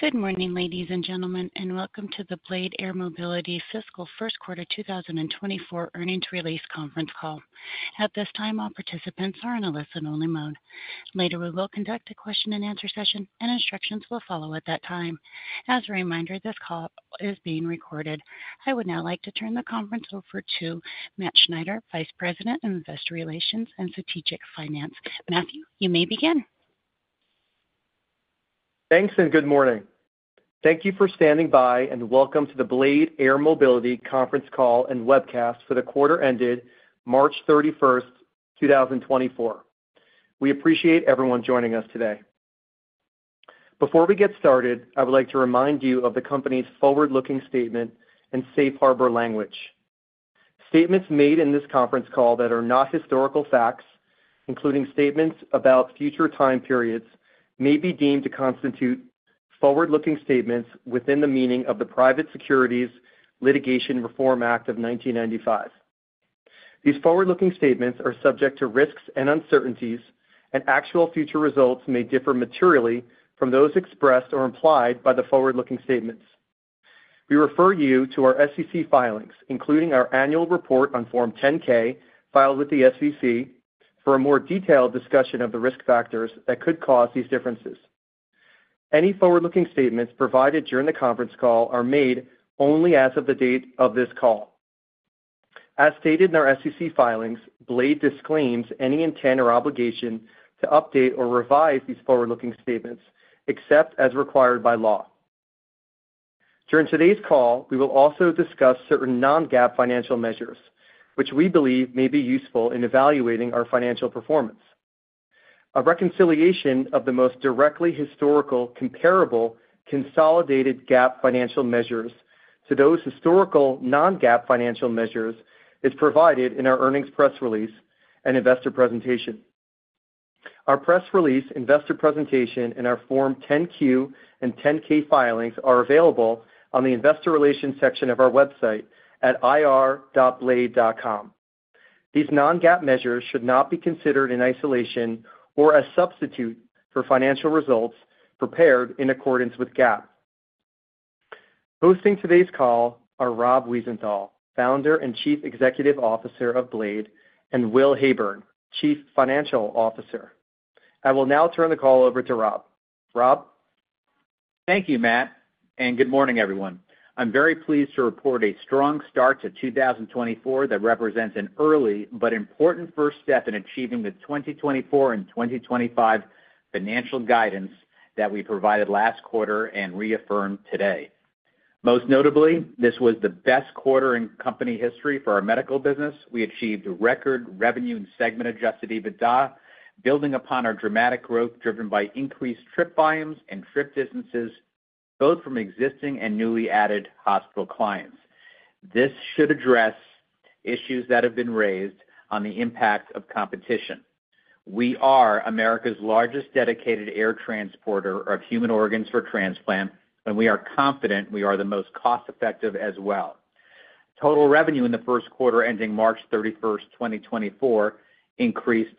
Good morning, ladies and gentlemen, and welcome to the Blade Air Mobility Fiscal First Quarter 2024 Earnings Release Conference Call. At this time, all participants are in a listen-only mode. Later, we will conduct a question-and-answer session, and instructions will follow at that time. As a reminder, this call is being recorded. I would now like to turn the conference over to Matt Schneider, Vice President of Investor Relations and Strategic Finance. Matthew,, you may begin. Thanks, and good morning. Thank you for standing by, and welcome to the Blade Air Mobility Conference Call and Webcast for the quarter ended March 31st, 2024. We appreciate everyone joining us today. Before we get started, I would like to remind you of the company's forward-looking statement in safe harbor language. Statements made in this conference call that are not historical facts, including statements about future time periods, may be deemed to constitute forward-looking statements within the meaning of the Private Securities Litigation Reform Act of 1995. These forward-looking statements are subject to risks and uncertainties, and actual future results may differ materially from those expressed or implied by the forward-looking statements. We refer you to our SEC filings, including our annual report on Form 10-K, filed with the SEC, for a more detailed discussion of the risk factors that could cause these differences. Any forward-looking statements provided during the conference call are made only as of the date of this call. As stated in our SEC filings, Blade disclaims any intent or obligation to update or revise these forward-looking statements, except as required by law. During today's call, we will also discuss certain non-GAAP financial measures, which we believe may be useful in evaluating our financial performance. A reconciliation of the most directly historical, comparable, consolidated GAAP financial measures to those historical non-GAAP financial measures is provided in our earnings press release and investor presentation. Our press release, investor presentation, and our Form 10-Q and 10-K filings are available on the Investor Relations section of our website at ir.blade.com. These non-GAAP measures should not be considered in isolation or a substitute for financial results prepared in accordance with GAAP. Hosting today's call are Rob Wiesenthal, Founder and Chief Executive Officer of Blade, and Will Heyburn, Chief Financial Officer. I will now turn the call over to Rob. Rob? Thank you, Matt, and good morning, everyone. I'm very pleased to report a strong start to 2024 that represents an early but important first step in achieving the 2024 and 2025 financial guidance that we provided last quarter and reaffirmed today. Most notably, this was the best quarter in company history for our Medical business. We achieved record revenue and segment-adjusted EBITDA, building upon our dramatic growth, driven by increased trip volumes and trip distances, both from existing and newly added hospital clients. This should address issues that have been raised on the impact of competition. We are America's largest dedicated air transporter of human organs for transplant, and we are confident we are the most cost-effective as well. Total revenue in the first quarter, ending March 31st, 2024, increased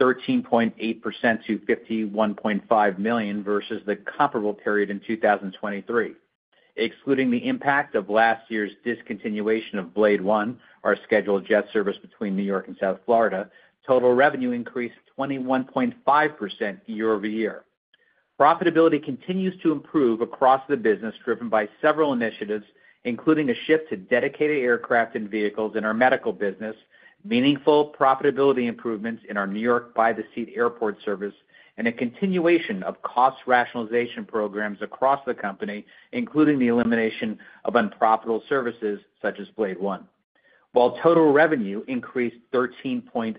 13.8% to $51.5 million versus the comparable period in 2023. Excluding the impact of last year's discontinuation of Blade One, our scheduled jet service between New York and South Florida, total revenue increased 21.5% year-over-year. Profitability continues to improve across the business, driven by several initiatives, including a shift to dedicated aircraft and vehicles in our Medical business, meaningful profitability improvements in our New York by-the-seat airport service, and a continuation of cost rationalization programs across the company, including the elimination of unprofitable services such as Blade One. While total revenue increased 13.8%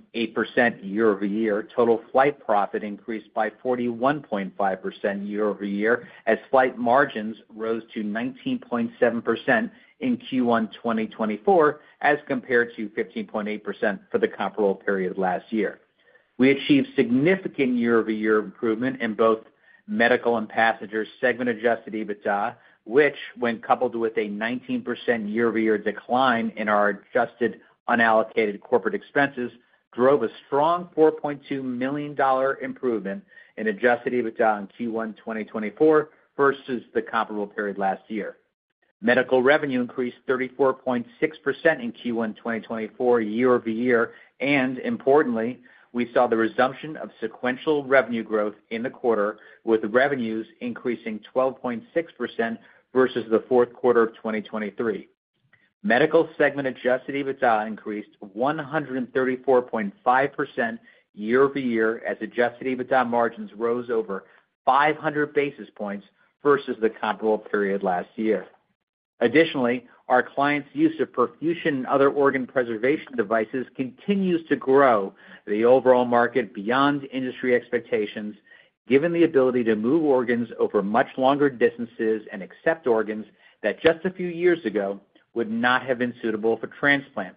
year-over-year, total flight profit increased by 41.5% year-over-year, as flight margins rose to 19.7% in Q1 2024, as compared to 15.8% for the comparable period last year. We achieved significant year-over-year improvement in both Medical and Passenger segment-adjusted EBITDA, which, when coupled with a 19% year-over-year decline in our adjusted unallocated corporate expenses, drove a strong $4.2 million improvement in adjusted EBITDA in Q1 2024 versus the comparable period last year. Medical revenue increased 34.6% in Q1 2024 year-over-year, and importantly, we saw the resumption of sequential revenue growth in the quarter, with revenues increasing 12.6% versus the fourth quarter of 2023. Medical segment-adjusted EBITDA increased 134.5% year-over-year, as adjusted EBITDA margins rose over 500 basis points versus the comparable period last year. Additionally, our clients' use of perfusion and other organ preservation devices continues to grow the overall market beyond industry expectations, given the ability to move organs over much longer distances and accept organs that just a few years ago would not have been suitable for transplant.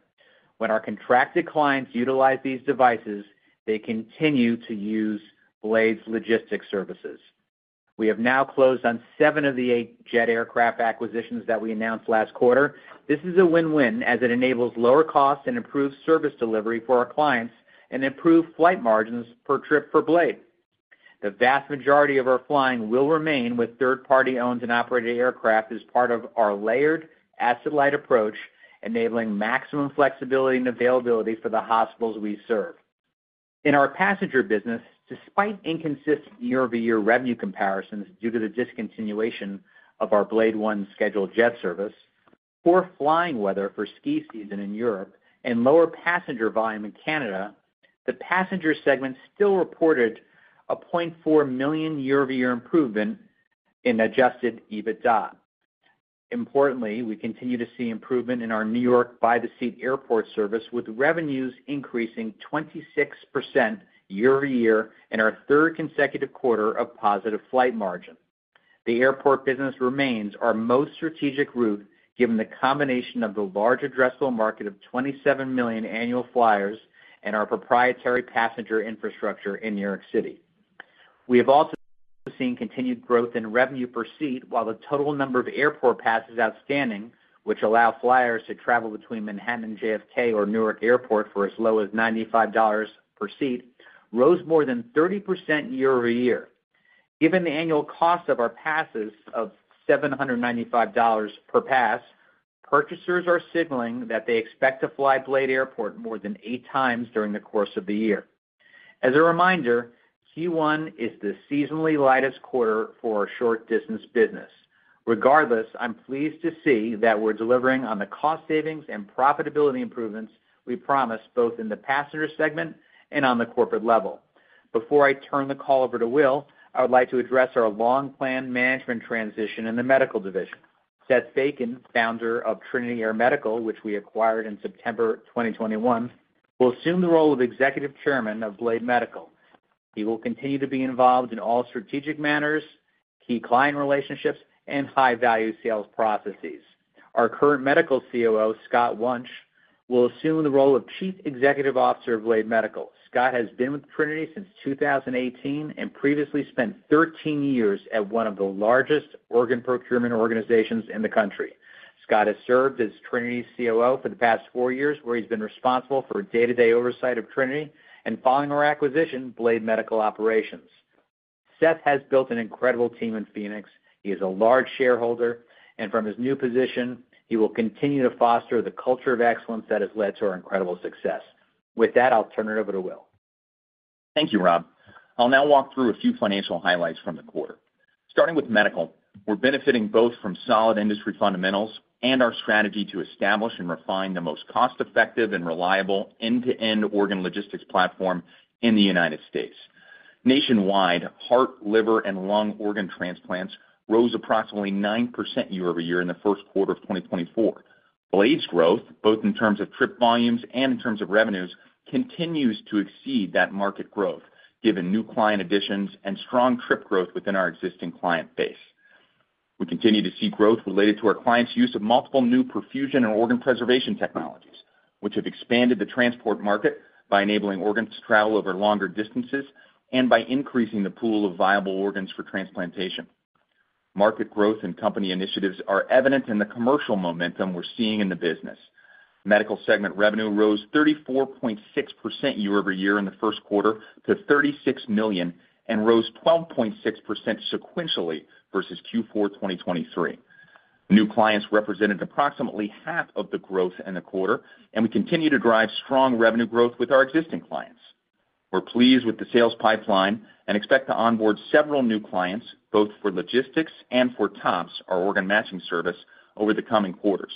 When our contracted clients utilize these devices, they continue to use Blade's logistics services. We have now closed on seven of the eight jet aircraft acquisitions that we announced last quarter. This is a win-win, as it enables lower costs and improved service delivery for our clients and improved flight margins per trip for Blade. The vast majority of our flying will remain with third party owned and operated aircraft as part of our layered asset-light approach, enabling maximum flexibility and availability for the hospitals we serve. In our Passenger business, despite inconsistent year-over-year revenue comparisons due to the discontinuation of our Blade One scheduled jet service, poor flying weather for ski season in Europe, and lower passenger volume in Canada, the Passenger segment still reported a $0.4 million year-over-year improvement in adjusted EBITDA. Importantly, we continue to see improvement in our New York by-the-seat airport service, with revenues increasing 26% year-over-year and our third consecutive quarter of positive flight margin. The airport business remains our most strategic route, given the combination of the large addressable market of 27 million annual flyers and our proprietary passenger infrastructure in New York City. We have also seen continued growth in revenue per seat, while the total number of airport passes outstanding, which allow flyers to travel between Manhattan and JFK or Newark Airport for as low as $95 per seat, rose more than 30% year-over-year. Given the annual cost of our passes of $795 per pass, purchasers are signaling that they expect to fly Blade Airport more than eight times during the course of the year. As a reminder, Q1 is the seasonally lightest quarter for our Short Distance business. Regardless, I'm pleased to see that we're delivering on the cost savings and profitability improvements we promised, both in the Passenger segment and on the corporate level. Before I turn the call over to Will, I would like to address our long-planned management transition in the Medical division. Seth Bacon, founder of Trinity Air Medical, which we acquired in September 2021, will assume the role of Executive Chairman of Blade Medical. He will continue to be involved in all strategic matters, key client relationships, and high-value sales processes. Our current Medical COO, Scott Wunsch, will assume the role of Chief Executive Officer of Blade Medical. Scott has been with Trinity since 2018, and previously spent 13 years at one of the largest organ procurement organizations in the country. Scott has served as Trinity's COO for the past four years, where he's been responsible for day-to-day oversight of Trinity, and following our acquisition, Blade Medical Operations. Seth has built an incredible team in Phoenix. He is a large shareholder, and from his new position, he will continue to foster the culture of excellence that has led to our incredible success. With that, I'll turn it over to Will. Thank you, Rob. I'll now walk through a few financial highlights from the quarter. Starting with Medical, we're benefiting both from solid industry fundamentals and our strategy to establish and refine the most cost-effective and reliable end-to-end organ logistics platform in the United States. Nationwide, heart, liver, and lung organ transplants rose approximately 9% year-over-year in the first quarter of 2024. Blade's growth, both in terms of trip volumes and in terms of revenues, continues to exceed that market growth, given new client additions and strong trip growth within our existing client base. We continue to see growth related to our clients' use of multiple new perfusion and organ preservation technologies, which have expanded the transport market by enabling organs to travel over longer distances and by increasing the pool of viable organs for transplantation. Market growth and company initiatives are evident in the commercial momentum we're seeing in the business. Medical segment revenue rose 34.6% year-over-year in the first quarter to $36 million, and rose 12.6% sequentially versus Q4 2023. New clients represented approximately half of the growth in the quarter, and we continue to drive strong revenue growth with our existing clients. We're pleased with the sales pipeline and expect to onboard several new clients, both for logistics and for TOPS, our organ matching service, over the coming quarters.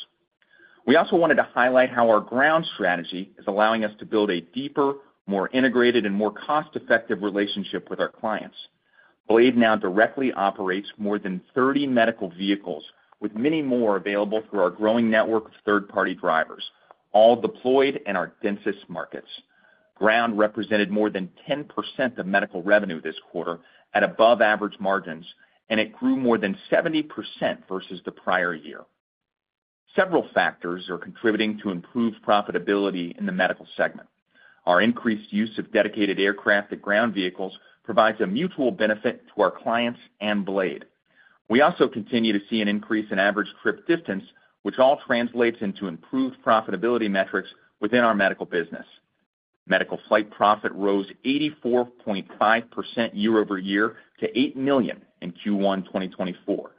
We also wanted to highlight how our ground strategy is allowing us to build a deeper, more integrated, and more cost-effective relationship with our clients. Blade now directly operates more than 30 medical vehicles, with many more available through our growing network of third-party drivers, all deployed in our densest markets. Ground represented more than 10% of Medical revenue this quarter at above average margins, and it grew more than 70% versus the prior year. Several factors are contributing to improved profitability in the Medical segment. Our increased use of dedicated aircraft and ground vehicles provides a mutual benefit to our clients and Blade. We also continue to see an increase in average trip distance, which all translates into improved profitability metrics within our Medical business. Medical flight profit rose 84.5% year-over-year to $8 million in Q1 2024.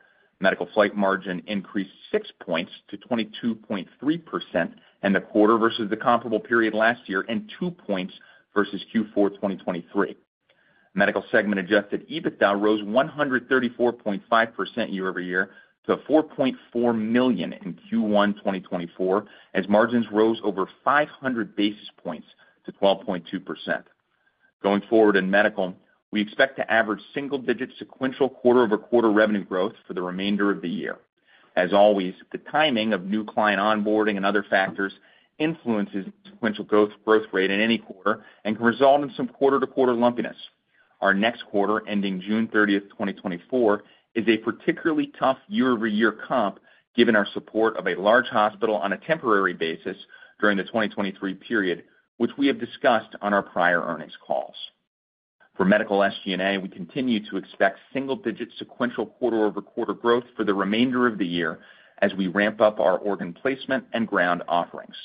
Medical flight margin increased six points to 22.3% in the quarter versus the comparable period last year, and two points versus Q4 2023. Medical segment adjusted EBITDA rose 134.5% year-over-year to $4.4 million in Q1 2024, as margins rose over 500 basis points to 12.2%. Going forward in Medical, we expect to average single-digit sequential quarter-to-quarter revenue growth for the remainder of the year. As always, the timing of new client onboarding and other factors influences the sequential growth, growth rate in any quarter and can result in some quarter-to-quarter lumpiness. Our next quarter, ending June 30, 2024, is a particularly tough year-over-year comp, given our support of a large hospital on a temporary basis during the 2023 period, which we have discussed on our prior earnings calls. For Medical SG&A, we continue to expect single-digit sequential quarter-over-quarter growth for the remainder of the year as we ramp up our organ placement and ground offerings...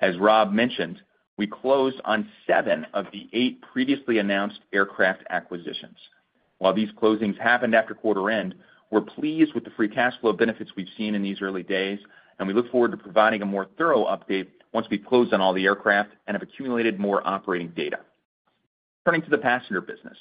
As Rob mentioned, we closed on seven of the eight previously announced aircraft acquisitions. While these closings happened after quarter end, we're pleased with the free cash flow benefits we've seen in these early days, and we look forward to providing a more thorough update once we've closed on all the aircraft and have accumulated more operating data. Turning to the Passenger business.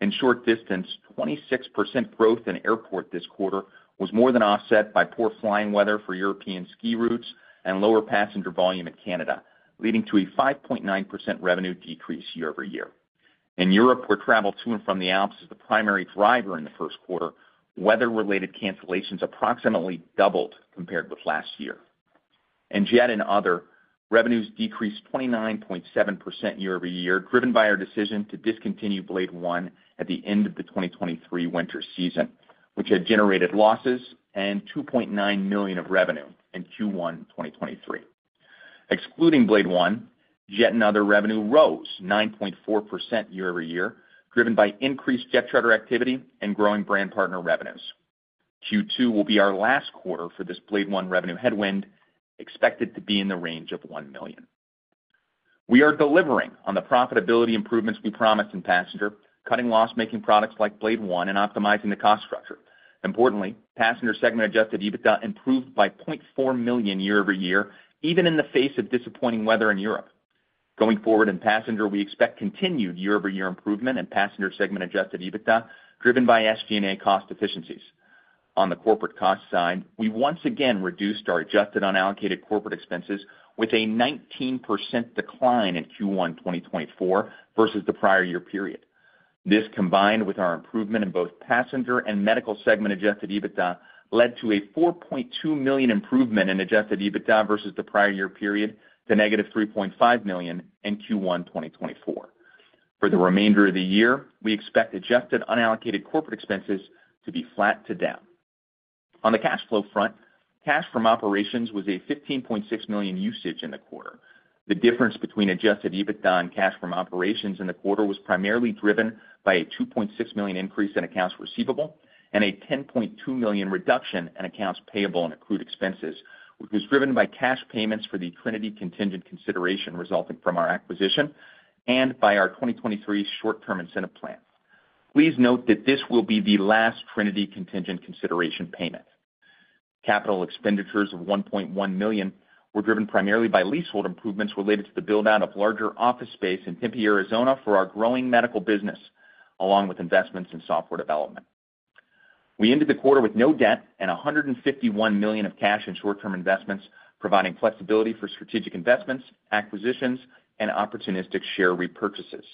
In Short Distance, 26% growth in Airport this quarter was more than offset by poor flying weather for European ski routes and lower passenger volume in Canada, leading to a 5.9% revenue decrease year-over-year. In Europe, where travel to and from the Alps is the primary driver in the first quarter, weather-related cancellations approximately doubled compared with last year. In Jet and Other, revenues decreased 29.7% year-over-year, driven by our decision to discontinue Blade One at the end of the 2023 winter season, which had generated losses and $2.9 million of revenue in Q1 2023. Excluding Blade One, Jet and Other revenue rose 9.4% year-over-year, driven by increased jet charter activity and growing brand partner revenues. Q2 will be our last quarter for this Blade One revenue headwind, expected to be in the range of $1 million. We are delivering on the profitability improvements we promised in Passenger, cutting loss-making products like Blade One and optimizing the cost structure. Importantly, Passenger segment adjusted EBITDA improved by $0.4 million year-over-year, even in the face of disappointing weather in Europe. Going forward, in Passenger, we expect continued year-over-year improvement in Passenger segment adjusted EBITDA, driven by SG&A cost efficiencies. On the corporate cost side, we once again reduced our adjusted unallocated corporate expenses with a 19% decline in Q1 2024 versus the prior year period. This, combined with our improvement in both Passenger and Medical segment adjusted EBITDA, led to a $4.2 million improvement in adjusted EBITDA versus the prior year period to negative $3.5 million in Q1 2024. For the remainder of the year, we expect adjusted unallocated corporate expenses to be flat to down. On the cash flow front, cash from operations was a $15.6 million usage in the quarter. The difference between Adjusted EBITDA and cash from operations in the quarter was primarily driven by a $2.6 million increase in accounts receivable and a $10.2 million reduction in accounts payable and accrued expenses, which was driven by cash payments for the Trinity contingent consideration resulting from our acquisition and by our 2023 short-term incentive plan. Please note that this will be the last Trinity contingent consideration payment. Capital expenditures of $1.1 million were driven primarily by leasehold improvements related to the build-out of larger office space in Tempe, Arizona, for our growing Medical business, along with investments in software development. We ended the quarter with no debt and $151 million of cash and short-term investments, providing flexibility for strategic investments, acquisitions, and opportunistic share repurchases.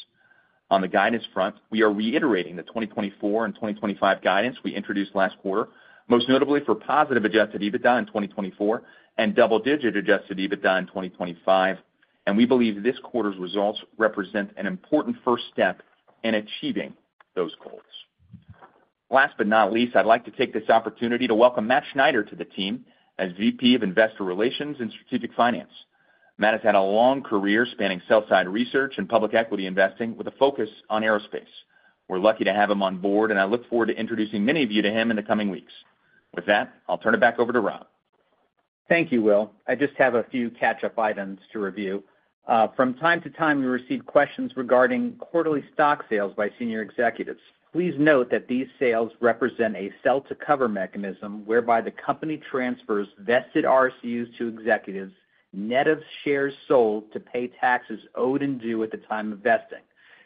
On the guidance front, we are reiterating the 2024 and 2025 guidance we introduced last quarter, most notably for positive adjusted EBITDA in 2024 and double-digit adjusted EBITDA in 2025, and we believe this quarter's results represent an important first step in achieving those goals. Last but not least, I'd like to take this opportunity to welcome Matt Schneider to the team as VP of Investor Relations and Strategic Finance. Matt has had a long career spanning sell-side research and public equity investing with a focus on aerospace. We're lucky to have him on board, and I look forward to introducing many of you to him in the coming weeks. With that, I'll turn it back over to Rob. Thank you, Will. I just have a few catch-up items to review. From time to time, we receive questions regarding quarterly stock sales by senior executives. Please note that these sales represent a sell-to-cover mechanism whereby the company transfers vested RSU to executives, net of shares sold to pay taxes owed and due at the time of vesting.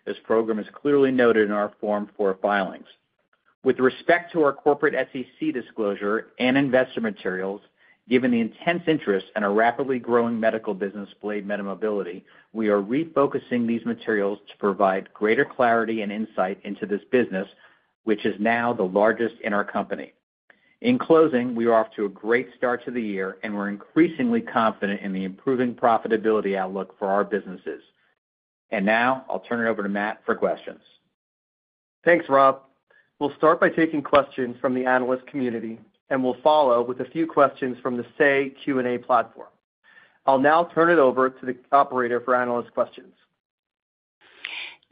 This program is clearly noted in our Form 4 filings. With respect to our corporate SEC disclosure and investor materials, given the intense interest in our rapidly growing Medical business, Blade Medical Mobility, we are refocusing these materials to provide greater clarity and insight into this business, which is now the largest in our company. In closing, we are off to a great start to the year, and we're increasingly confident in the improving profitability outlook for our businesses. Now I'll turn it over to Matt for questions. Thanks, Rob. We'll start by taking questions from the analyst community, and we'll follow with a few questions from the Say Q&A platform. I'll now turn it over to the operator for analyst questions.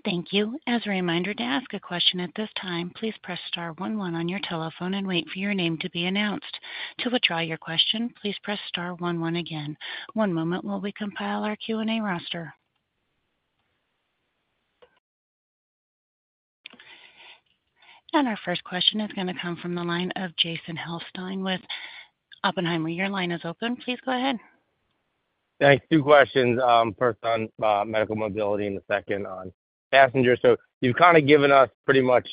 Thank you. As a reminder, to ask a question at this time, please press star one one on your telephone and wait for your name to be announced. To withdraw your question, please press star one one again. One moment while we compile our Q&A roster. And our first question is going to come from the line of Jason Helfstein with Oppenheimer. Your line is open. Please go ahead. Thanks. Two questions. First on Medical Mobility and the second on Passenger. So you've kind of given us pretty much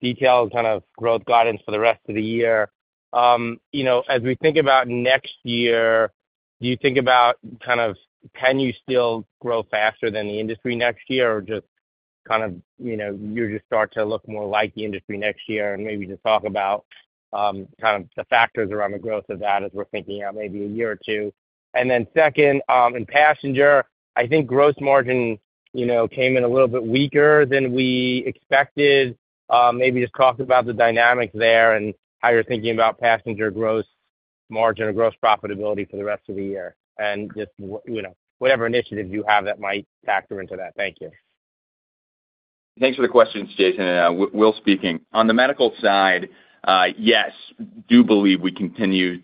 detailed kind of growth guidance for the rest of the year. You know, as we think about next year, do you think about, kind of, can you still grow faster than the industry next year, or just kind of, you know, you just start to look more like the industry next year? And maybe just talk about, kind of the factors around the growth of that as we're thinking out maybe a year or two. And then second, in Passenger, I think gross margin, you know, came in a little bit weaker than we expected. Maybe just talk about the dynamics there and how you're thinking about Passenger gross margin or gross profitability for the rest of the year, and just, you know, whatever initiatives you have that might factor into that. Thank you. Thanks for the questions, Jason. Will speaking. On the Medical side, yes, do believe we can continue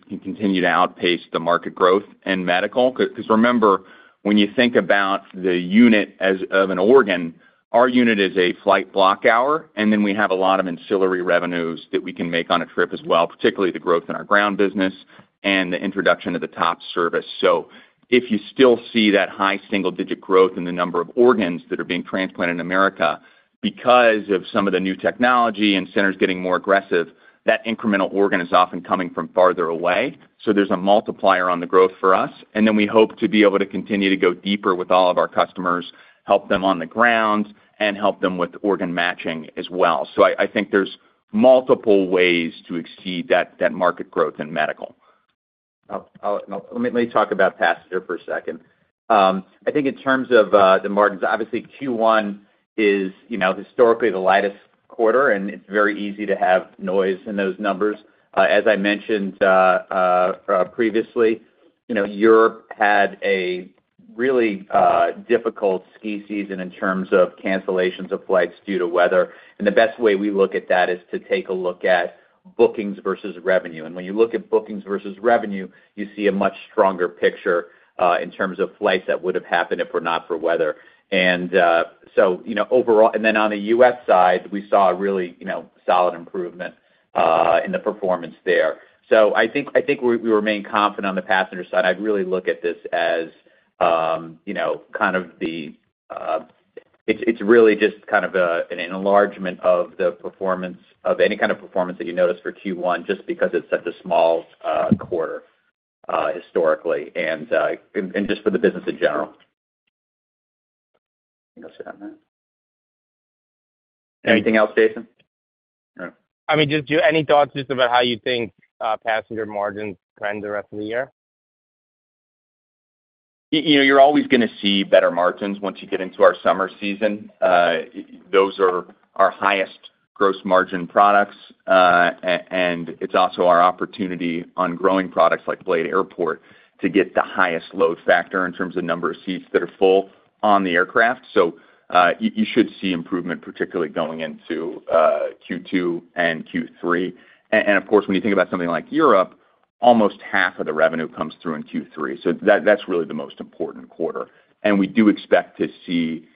to outpace the market growth in Medical. 'Cause remember, when you think about the unit as of an organ, our unit is a flight block hour, and then we have a lot of ancillary revenues that we can make on a trip as well, particularly the growth in our ground business and the introduction of the TOPS service. So if you still see that high single-digit growth in the number of organs that are being transplanted in America, because of some of the new technology and centers getting more aggressive, that incremental organ is often coming from farther away. So there's a multiplier on the growth for us, and then we hope to be able to continue to go deeper with all of our customers, help them on the ground, and help them with organ matching as well. So I think there's multiple ways to exceed that market growth in Medical. Let me talk about Passenger for a second. I think in terms of the margins, obviously, Q1 is, you know, historically the lightest quarter, and it's very easy to have noise in those numbers. As I mentioned previously, you know, Europe had a really difficult ski season in terms of cancellations of flights due to weather. The best way we look at that is to take a look at bookings versus revenue. When you look at bookings versus revenue, you see a much stronger picture in terms of flights that would have happened if were not for weather. So, you know, overall—and then on the U.S. side, we saw a really, you know, solid improvement in the performance there. I think we remain confident on the Passenger side. I'd really look at this as, you know, kind of the... It's really just kind of an enlargement of the performance of any kind of performance that you notice for Q1, just because it's such a small quarter historically, and just for the business in general. Anything else, Jason? All right. I mean, just any thoughts just about how you think Passenger margins trend the rest of the year? You know, you're always gonna see better margins once you get into our summer season. Those are our highest gross margin products, and it's also our opportunity on growing products like Blade Airport, to get the highest load factor in terms of number of seats that are full on the aircraft. So, you should see improvement, particularly going into Q2 and Q3. And of course, when you think about something like Europe, almost half of the revenue comes through in Q3. So that's really the most important quarter. And we do expect to see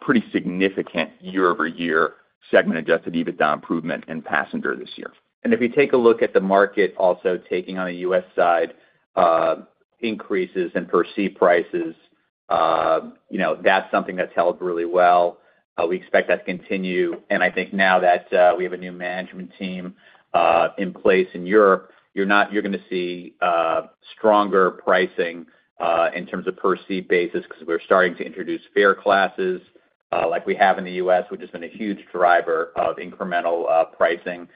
pretty significant year-over-year segment-adjusted EBITDA improvement in Passenger this year. And if you take a look at the market, also taking on the U.S. side, increases in per seat prices, you know, that's something that's held really well. We expect that to continue, and I think now that we have a new management team in place in Europe, you're gonna see stronger pricing in terms of per seat basis, because we're starting to introduce fare classes like we have in the U.S., which has been a huge driver of incremental pricing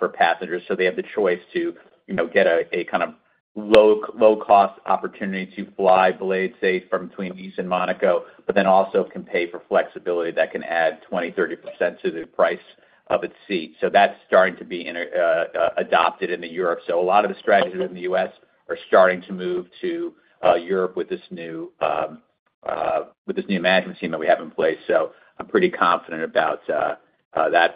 for passengers. So they have the choice to, you know, get a kind of low, low-cost opportunity to fly Blade, say, from between Nice and Monaco, but then also can pay for flexibility that can add 20%, 30% to the price of a seat. So that's starting to be integrated into Europe. So a lot of the strategies in the U.S. are starting to move to Europe with this new management team that we have in place. So I'm pretty confident about that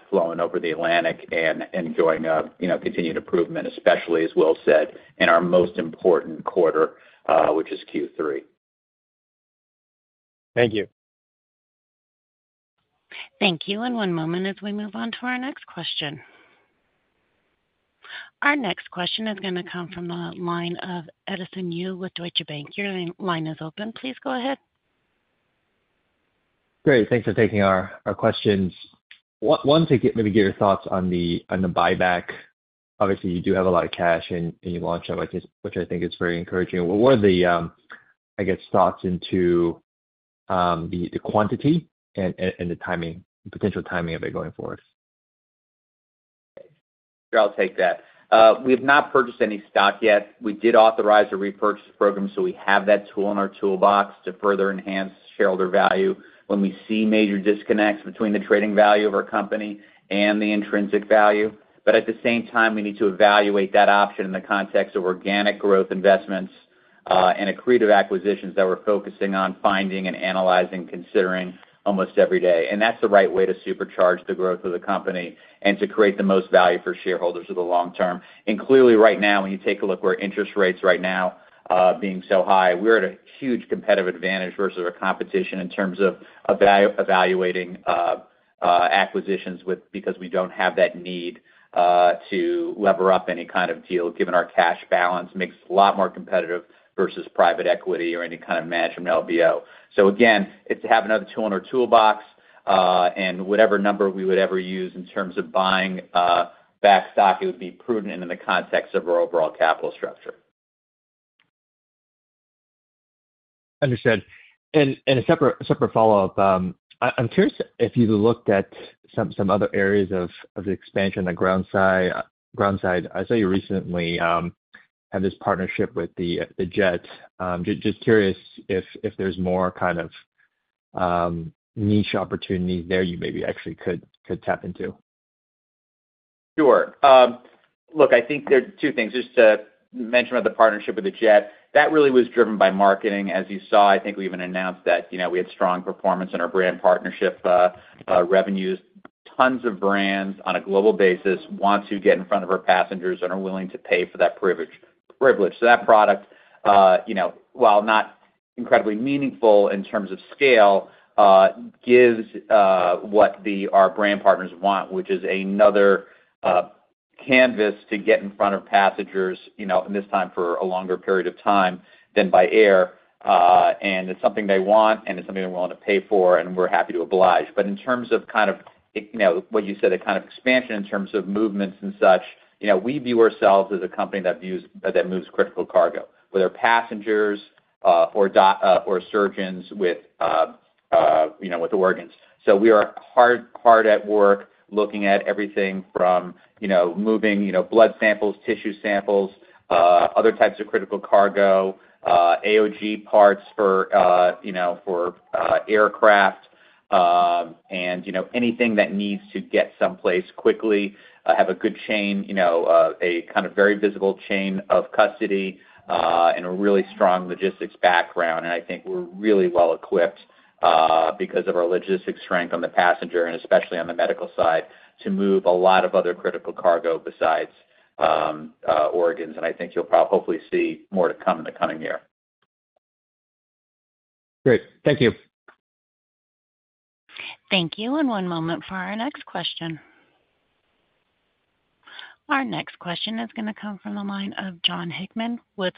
flowing over the Atlantic and going up, you know, continued improvement, especially as Will said, in our most important quarter, which is Q3. Thank you. Thank you. One moment as we move on to our next question. Our next question is gonna come from the line of Edison Yu with Deutsche Bank. Your line is open. Please go ahead. Great. Thanks for taking our questions. One to get maybe get your thoughts on the buyback. Obviously, you do have a lot of cash in your launch, which I think is very encouraging. What are the, I guess, thoughts into the quantity and the timing, potential timing of it going forward? Sure, I'll take that. We have not purchased any stock yet. We did authorize a repurchase program, so we have that tool in our toolbox to further enhance shareholder value when we see major disconnects between the trading value of our company and the intrinsic value. But at the same time, we need to evaluate that option in the context of organic growth investments, and accretive acquisitions that we're focusing on finding and analyzing, considering almost every day. That's the right way to supercharge the growth of the company and to create the most value for shareholders for the long term. Clearly, right now, when you take a look where interest rates right now, being so high, we're at a huge competitive advantage versus our competition in terms of evaluating acquisitions with—because we don't have that need to lever up any kind of deal, given our cash balance makes us a lot more competitive versus private equity or any kind of management LBO. So again, it's to have another tool in our toolbox, and whatever number we would ever use in terms of buying back stock, it would be prudent and in the context of our overall capital structure. Understood. And a separate follow-up, I'm curious if you looked at some other areas of the expansion on the ground side. I saw you recently had this partnership with The Jet. Just curious if there's more kind of niche opportunity there you maybe actually could tap into?... Sure. Look, I think there are two things. Just to mention about the partnership with The Jet, that really was driven by marketing. As you saw, I think we even announced that, you know, we had strong performance in our brand partnership revenues. Tons of brands on a global basis want to get in front of our passengers and are willing to pay for that privilege, privilege. So that product, you know, while not incredibly meaningful in terms of scale, gives what our brand partners want, which is another canvas to get in front of passengers, you know, and this time for a longer period of time than by air. And it's something they want, and it's something they're willing to pay for, and we're happy to oblige. But in terms of kind of, you know, what you said, a kind of expansion in terms of movements and such, you know, we view ourselves as a company that moves critical cargo, whether passengers, or surgeons with, you know, with organs. So we are hard, hard at work, looking at everything from, you know, moving, you know, blood samples, tissue samples, other types of critical cargo, AOG parts for, you know, for, aircraft, and, you know, anything that needs to get someplace quickly, have a good chain, you know, a kind of very visible chain of custody, and a really strong logistics background. And I think we're really well equipped, because of our logistics strength on the passenger, and especially on the Medical side, to move a lot of other critical cargo besides organs. And I think you'll hopefully see more to come in the coming year. Great. Thank you. Thank you, and one moment for our next question. Our next question is going to come from the line of Jon Hickman with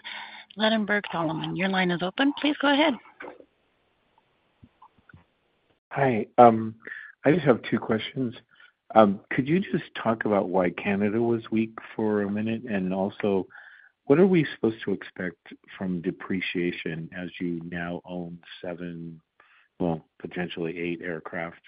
Ladenburg Thalmann. Your line is open. Please go ahead. Hi, I just have two questions. Could you just talk about why Canada was weak for a minute? And also, what are we supposed to expect from depreciation as you now own seven, well, potentially eight aircraft?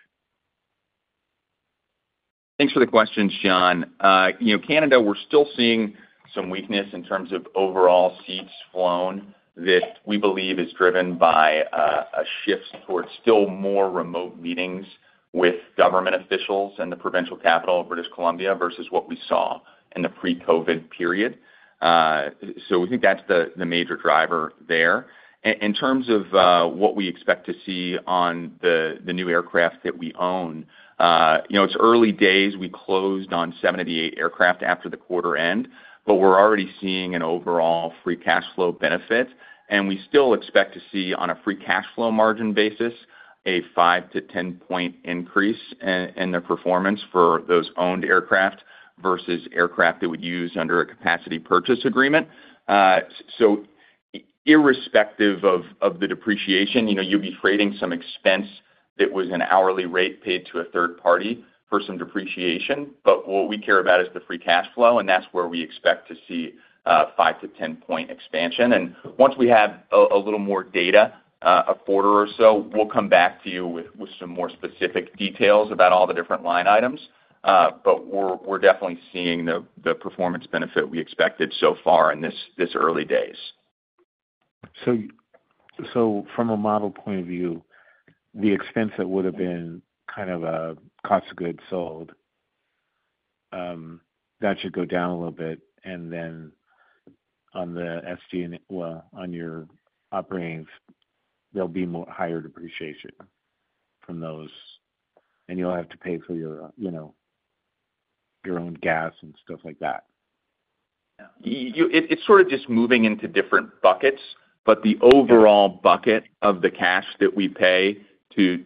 Thanks for the questions, Jon. You know, Canada, we're still seeing some weakness in terms of overall seats flown, that we believe is driven by a shift towards still more remote meetings with government officials in the provincial capital of British Columbia, versus what we saw in the pre-COVID period. So we think that's the major driver there. In terms of what we expect to see on the new aircraft that we own, you know, it's early days. We closed on seven of the eight aircraft after the quarter end, but we're already seeing an overall free cash flow benefit, and we still expect to see, on a free cash flow margin basis, a five to 10 point increase in the performance for those owned aircraft versus aircraft that we'd use under a capacity purchase agreement. So irrespective of the depreciation, you know, you'll be creating some expense that was an hourly rate paid to a third party for some depreciation. But what we care about is the free cash flow, and that's where we expect to see a five to 10 point expansion. And once we have a little more data, a quarter or so, we'll come back to you with some more specific details about all the different line items. But we're definitely seeing the performance benefit we expected so far in these early days. So, from a model point of view, the expense that would have been kind of a cost of goods sold, that should go down a little bit, and then on the SG, and, well, on your operations, there'll be more higher depreciation from those, and you'll have to pay for your, you know, your own gas and stuff like that. You—it's sort of just moving into different buckets. But the overall bucket of the cash that we pay to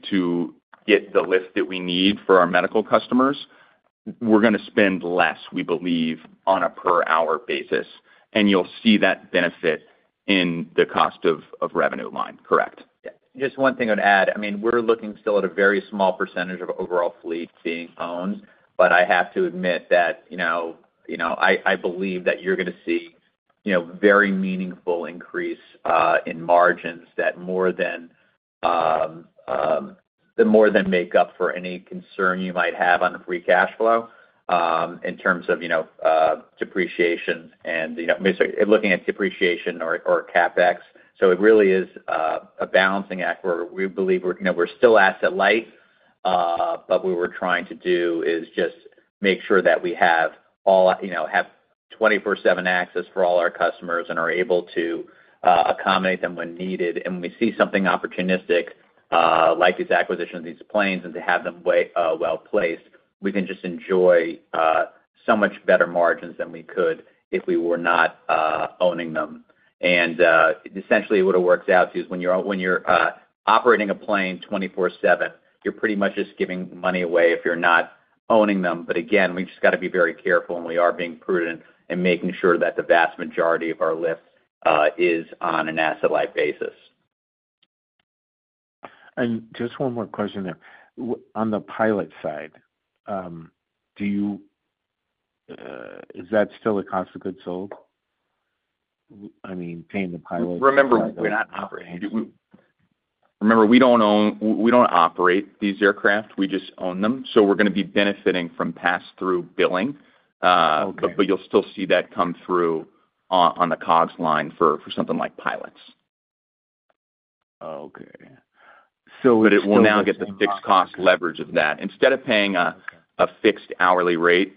get the lift that we need for our medical customers, we're going to spend less, we believe, on a per-hour basis, and you'll see that benefit in the cost of revenue line. Correct. Yeah, just one thing I'd add. I mean, we're looking still at a very small percentage of overall fleet being owned, but I have to admit that, you know, I believe that you're going to see, you know, very meaningful increase in margins that more than make up for any concern you might have on the free cash flow, in terms of, you know, depreciation and, you know. Basically, looking at depreciation or CapEx. So it really is a balancing act where we believe we're, you know, we're still asset-light, but what we're trying to do is just make sure that we have, you know, 24/7 access for all our customers and are able to accommodate them when needed. And when we see something opportunistic, like these acquisitions of these planes and to have them well-placed, we can just enjoy so much better margins than we could if we were not owning them. And essentially, what it works out to is, when you're operating a plane 24/7, you're pretty much just giving money away if you're not owning them. But again, we've just got to be very careful, and we are being prudent in making sure that the vast majority of our lifts is on an asset-light basis. Just one more question there. On the pilot side, do you... Is that still a cost of goods sold? I mean, paying the pilots- Remember, we're not operating. Remember, we don't operate these aircraft; we just own them. So we're going to be benefiting from pass-through billing. Okay. But you'll still see that come through on the COGS line for something like pilots.... Oh, okay. Yeah. But it will now get the fixed cost leverage of that. Instead of paying a fixed hourly rate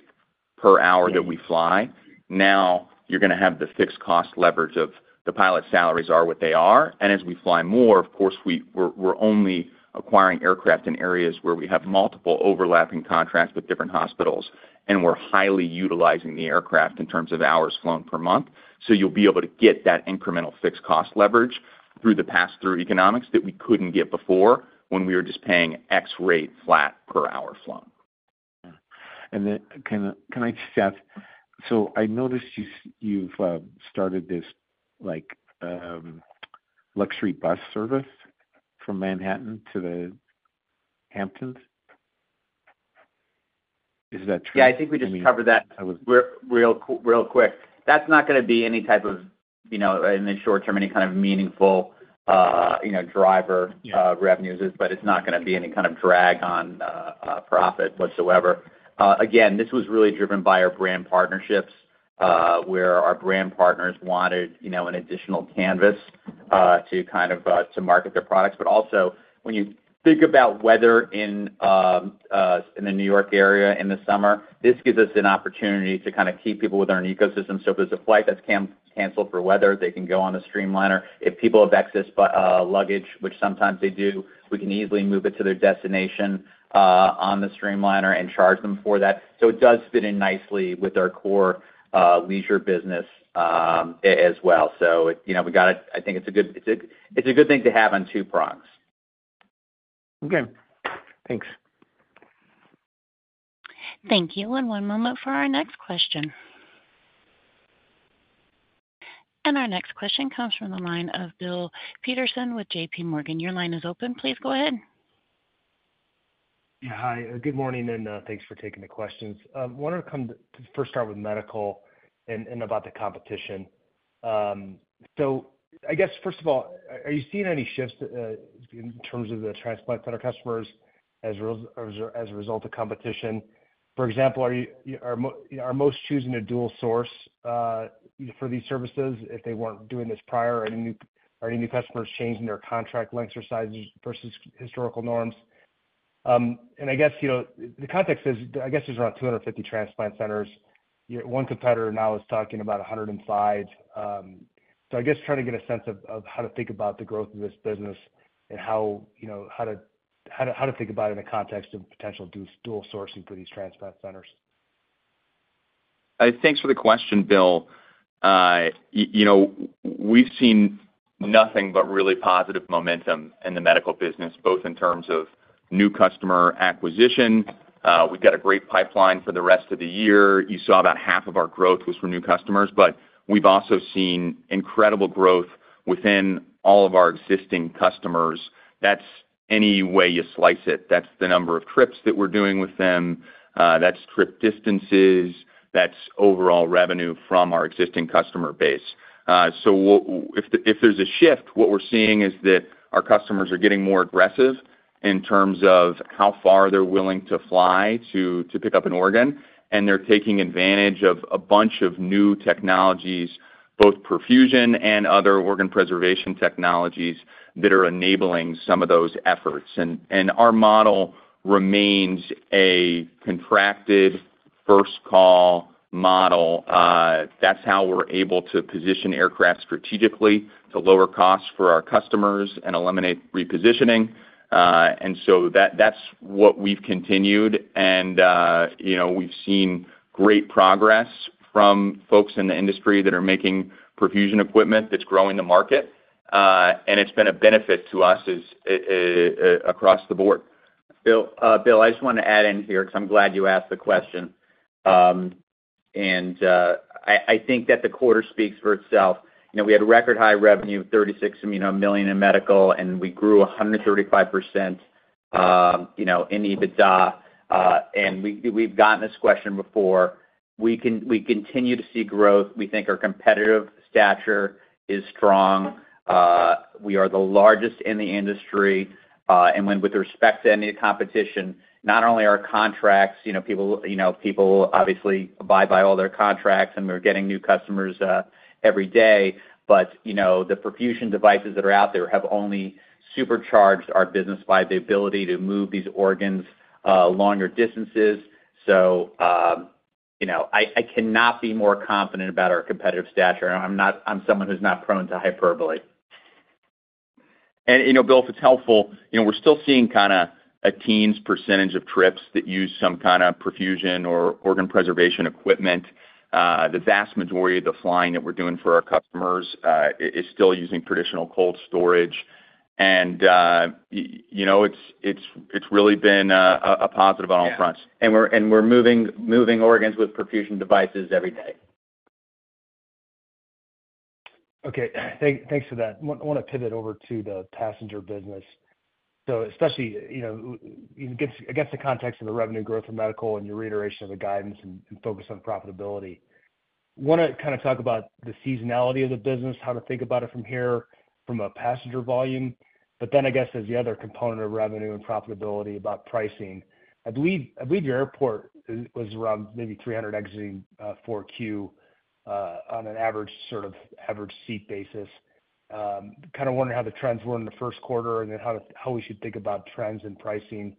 per hour that we fly, now you're going to have the fixed cost leverage of the pilot salaries are what they are. And as we fly more, of course, we're only acquiring aircraft in areas where we have multiple overlapping contracts with different hospitals, and we're highly utilizing the aircraft in terms of hours flown per month. So you'll be able to get that incremental fixed cost leverage through the pass-through economics that we couldn't get before when we were just paying X rate flat per hour flown. Yeah. And then, can I, can I just ask? So I noticed you've started this, like, luxury bus service from Manhattan to the Hamptons. Is that true? Yeah, I think we just covered that. I was- Real quick. That's not going to be any type of, you know, in the short term, any kind of meaningful, you know, driver, Yeah. revenues, but it's not going to be any kind of drag on profit whatsoever. Again, this was really driven by our brand partnerships, where our brand partners wanted, you know, an additional canvas to kind of market their products. But also, when you think about weather in the New York area in the summer, this gives us an opportunity to kind of keep people with our own ecosystem. So if there's a flight that's canceled for weather, they can go on a Streamliner. If people have excess luggage, which sometimes they do, we can easily move it to their destination on the Streamliner and charge them for that. So it does fit in nicely with our core leisure business as well. So, you know, we got it... I think it's a good thing to have on two prongs. Okay, thanks. Thank you, and one moment for our next question. Our next question comes from the line of Bill Peterson with J.P. Morgan. Your line is open. Please go ahead. Yeah, hi, good morning, and, thanks for taking the questions. Wanted to come to first start with Medical and, and about the competition. So I guess, first of all, are you seeing any shifts, in terms of the transplant center customers as a result of competition? For example, are most choosing a dual source, for these services if they weren't doing this prior? Are any new customers changing their contract lengths or sizes versus historical norms? And I guess, you know, the context is, I guess there's around 250 transplant centers. One competitor now is talking about 105. I guess trying to get a sense of how to think about the growth of this business and how, you know, to think about it in the context of potential dual sourcing for these transplant centers. Thanks for the question, Bill. You know, we've seen nothing but really positive momentum in the Medical business, both in terms of new customer acquisition. We've got a great pipeline for the rest of the year. You saw about half of our growth was from new customers, but we've also seen incredible growth within all of our existing customers. That's any way you slice it. That's the number of trips that we're doing with them. That's trip distances, that's overall revenue from our existing customer base. So if, if there's a shift, what we're seeing is that our customers are getting more aggressive in terms of how far they're willing to fly to, to pick up an organ, and they're taking advantage of a bunch of new technologies, both perfusion and other organ preservation technologies, that are enabling some of those efforts. Our model remains a contracted first call model. That's how we're able to position aircraft strategically to lower costs for our customers and eliminate repositioning. That's what we've continued. You know, we've seen great progress from folks in the industry that are making perfusion equipment that's growing the market, and it's been a benefit to us as across the board. Bill, Bill, I just want to add in here, because I'm glad you asked the question. I think that the quarter speaks for itself. You know, we had a record high revenue of $36 million in Medical, and we grew 135% in EBITDA. We've gotten this question before. We continue to see growth. We think our competitive stature is strong. We are the largest in the industry, and when with respect to any competition, not only our contracts, you know, people, you know, people obviously, abide by all their contracts, and we're getting new customers every day. But, you know, the perfusion devices that are out there have only supercharged our business by the ability to move these organs longer distances. So, you know, I cannot be more confident about our competitive stature, and I'm someone who's not prone to hyperbole. And, you know, Bill, if it's helpful, you know, we're still seeing kind of a teens % of trips that use some kind of perfusion or organ preservation equipment. The vast majority of the flying that we're doing for our customers is still using traditional cold storage. You know, it's really been a positive on all fronts. Yeah. We're moving organs with perfusion devices every day. Okay, thanks for that. I want, I want to pivot over to the passenger business. So especially, you know, against, against the context of the revenue growth for Medical and your reiteration of the guidance and, and focus on profitability. Want to kind of talk about the seasonality of the business, how to think about it from here, from a passenger volume, but then I guess as the other component of revenue and profitability, about pricing. I believe, I believe your airport is, was around maybe 300 exiting Q4 on an average, sort of average seat basis. Kind of wondering how the trends were in the first quarter, and then how, how we should think about trends in pricing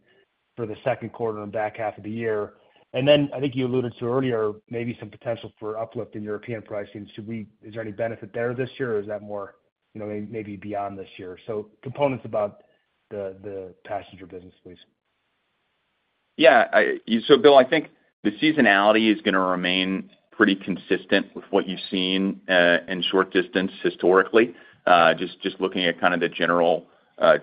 for the second quarter and back half of the year? And then, I think you alluded to earlier, maybe some potential for uplift in European pricing. Is there any benefit there this year, or is that more, you know, maybe beyond this year? So, comments about the passenger business, please. Yeah, so Bill, I think the seasonality is going to remain pretty consistent with what you've seen in Short Distance historically. Just looking at kind of the general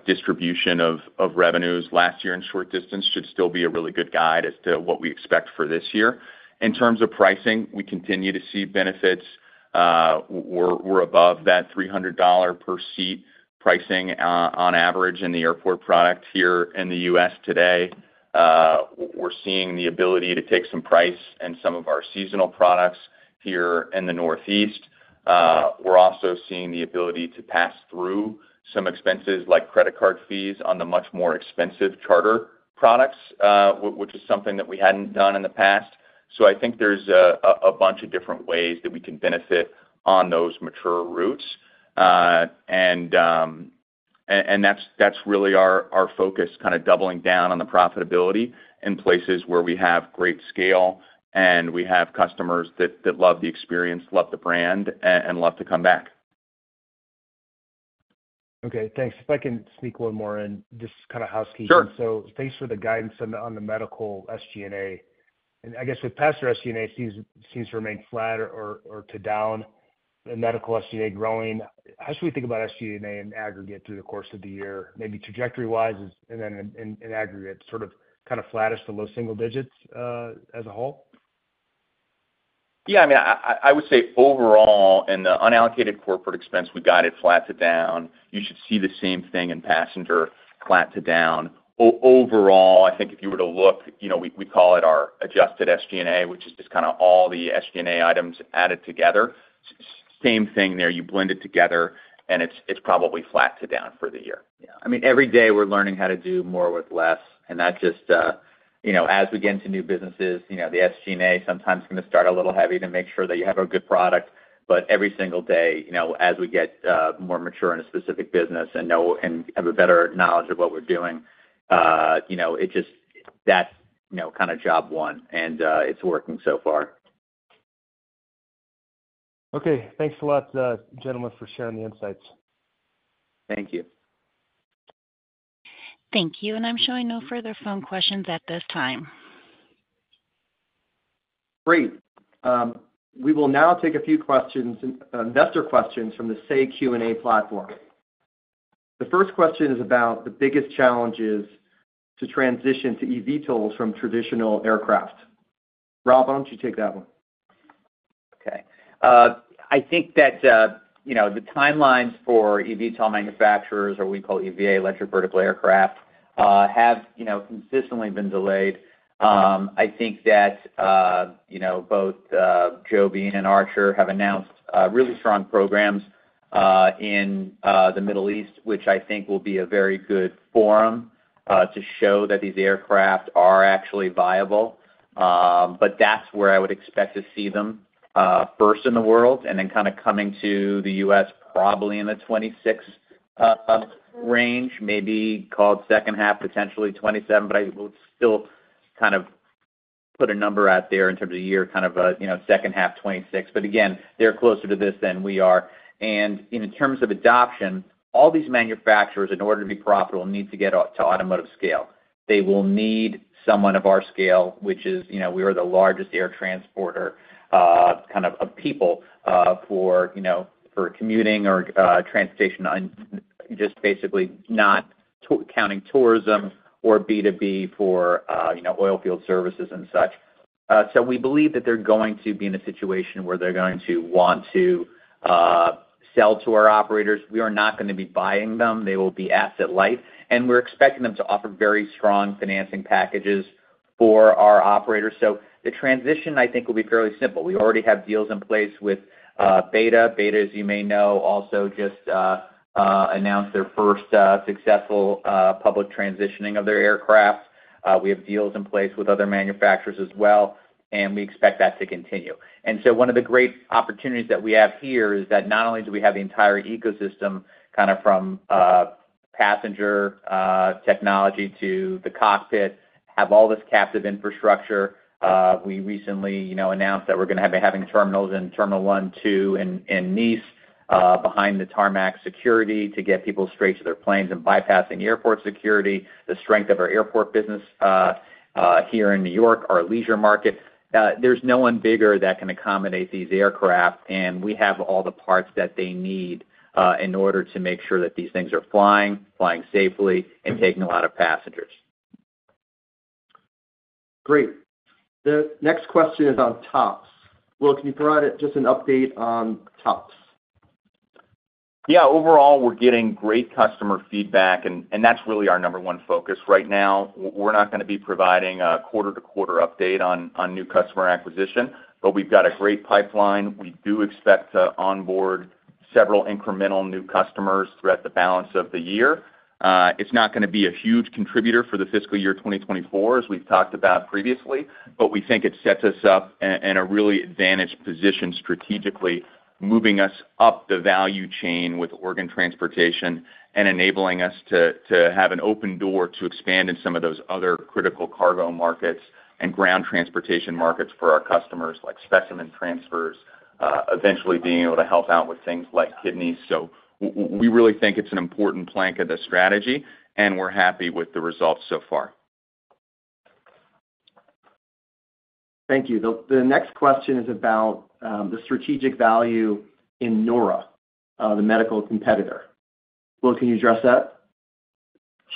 distribution of revenues last year in Short Distance should still be a really good guide as to what we expect for this year. In terms of pricing, we continue to see benefits. We're above that $300 per seat pricing on average in the airport product here in the U.S. today. We're seeing the ability to take some price in some of our seasonal products here in the Northeast. We're also seeing the ability to pass through some expenses, like credit card fees on the much more expensive charter products, which is something that we hadn't done in the past. So I think there's a bunch of different ways that we can benefit on those mature routes. That's really our focus, kind of doubling down on the profitability in places where we have great scale, and we have customers that love the experience, love the brand, and love to come back. Okay, thanks. If I can sneak one more in, just kind of housekeeping. Sure. So thanks for the guidance on the Medical SG&A. And I guess if passenger SG&A seems to remain flat or to down, and Medical SG&A growing, how should we think about SG&A in aggregate through the course of the year? Maybe trajectory-wise, and then in aggregate, sort of, kind of flattish to low single digits, as a whole? Yeah, I mean, I would say overall, in the unallocated corporate expense, we guide it flat to down. You should see the same thing in passenger, flat to down. Overall, I think if you were to look, you know, we call it our adjusted SG&A, which is just kind of all the SG&A items added together. Same thing there, you blend it together, and it's probably flat to down for the year. Yeah. I mean, every day, we're learning how to do more with less, and that just, you know, as we get into new businesses, you know, the SG&A sometimes is going to start a little heavy to make sure that you have a good product. But every single day, you know, as we get more mature in a specific business and have a better knowledge of what we're doing, you know, it just... That's, you know, kind of job one, and it's working so far. Okay. Thanks a lot, gentlemen, for sharing the insights. Thank you. Thank you, and I'm showing no further phone questions at this time. Great. We will now take a few questions, investor questions from the Say Q&A platform. The first question is about the biggest challenges to transition to EVTOLs from traditional aircraft. Rob, why don't you take that one? Okay. I think that, you know, the timelines for EVTOL manufacturers, or we call EVA, Electric Vertical Aircraft, have, you know, consistently been delayed. I think that, you know, both Joby and Archer have announced really strong programs in the Middle East, which I think will be a very good forum to show that these aircraft are actually viable. But that's where I would expect to see them first in the world, and then kind of coming to the U.S. probably in the 2026 range, maybe called second half, potentially 2027. But I would still kind of put a number out there in terms of year, kind of a, you know, second half 2026. But again, they're closer to this than we are. In terms of adoption, all these manufacturers, in order to be profitable, need to get up to automotive scale. They will need someone of our scale, which is, you know, we are the largest air transporter, kind of of people, for, you know, for commuting or, transportation. Just basically not counting tourism or B2B for, you know, oil field services and such. So we believe that they're going to be in a situation where they're going to want to sell to our operators. We are not going to be buying them. They will be asset light, and we're expecting them to offer very strong financing packages for our operators. So the transition, I think, will be fairly simple. We already have deals in place with Beta. Beta, as you may know, also just announced their first successful public transitioning of their aircraft. We have deals in place with other manufacturers as well, and we expect that to continue. So one of the great opportunities that we have here is that not only do we have the entire ecosystem, kind of from passenger technology to the cockpit, have all this captive infrastructure, we recently, you know, announced that we're going to have terminals in Terminal 1, 2 in Nice, behind the tarmac security to get people straight to their planes and bypassing airport security, the strength of our airport business here in New York, our leisure market. There's no one bigger that can accommodate these aircraft, and we have all the parts that they need in order to make sure that these things are flying safely, and taking a lot of passengers. Great. The next question is on TOPS. Will, can you provide just an update on TOPS? Yeah. Overall, we're getting great customer feedback, and that's really our number one focus right now. We're not going to be providing a quarter-to-quarter update on new customer acquisition, but we've got a great pipeline. We do expect to onboard several incremental new customers throughout the balance of the year. It's not gonna be a huge contributor for the fiscal year 2024, as we've talked about previously, but we think it sets us up in a really advantaged position strategically, moving us up the value chain with organ transportation and enabling us to have an open door to expand in some of those other critical cargo markets and ground transportation markets for our customers, like specimen transfers, eventually being able to help out with things like kidneys. We really think it's an important plank of the strategy, and we're happy with the results so far. Thank you. The next question is about the strategic value in NORA, the medical competitor. Will, can you address that?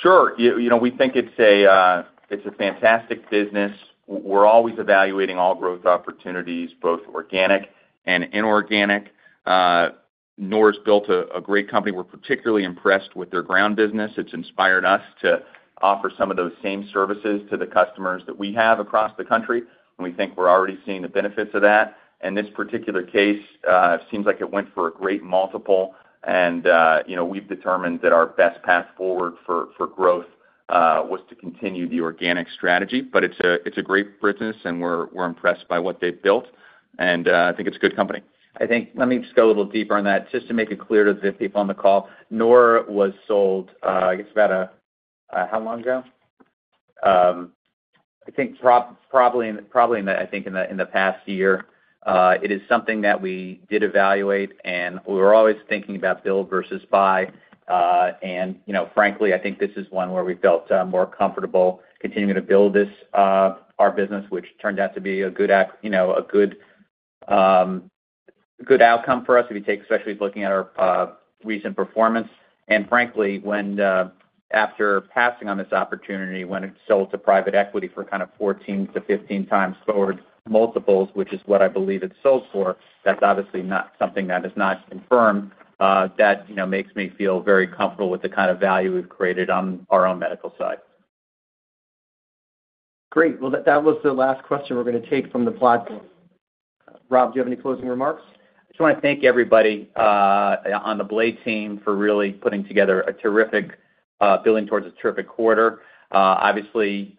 Sure. You know, we think it's a fantastic business. We're always evaluating all growth opportunities, both organic and inorganic. NORA's built a great company. We're particularly impressed with their ground business. It's inspired us to offer some of those same services to the customers that we have across the country, and we think we're already seeing the benefits of that. In this particular case, it seems like it went for a great multiple, and, you know, we've determined that our best path forward for growth was to continue the organic strategy. But it's a great business, and we're impressed by what they've built, and I think it's a good company. I think let me just go a little deeper on that. Just to make it clear to the people on the call, NORA was sold, I guess, about a, how long ago? I think probably in the past year. It is something that we did evaluate, and we're always thinking about build versus buy. And, you know, frankly, I think this is one where we felt more comfortable continuing to build our business, which turned out to be a good outcome for us, if you take, especially looking at our recent performance. And frankly, when after passing on this opportunity, when it sold to private equity for kind of 14-15x forward multiples, which is what I believe it sold for, that's obviously not something that is not confirmed, that, you know, makes me feel very comfortable with the kind of value we've created on our own medical side. Great. Well, that was the last question we're gonna take from the platform. Rob, do you have any closing remarks? I just wanna thank everybody on the Blade team for really putting together a terrific building towards a terrific quarter. Obviously,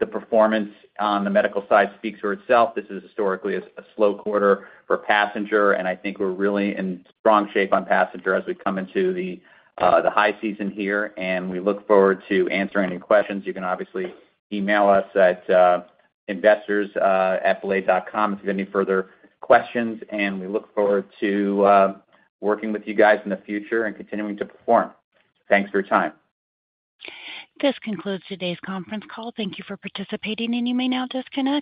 the performance on the medical side speaks for itself. This is historically a slow quarter for passenger, and I think we're really in strong shape on passenger as we come into the high season here, and we look forward to answering any questions. You can obviously email us at investors at blade.com if you have any further questions. And we look forward to working with you guys in the future and continuing to perform. Thanks for your time. This concludes today's conference call. Thank you for participating, and you may now disconnect.